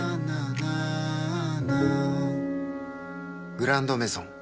「グランドメゾン」